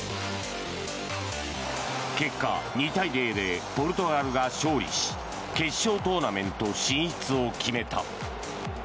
結果２対０でポルトガルが勝利し決勝トーナメント進出を決めた。